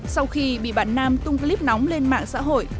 sau khi bị bạn nam tung clip nóng lên mạng xã hội